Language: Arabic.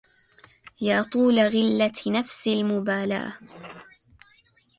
يا طول غلة نفسي المبلاه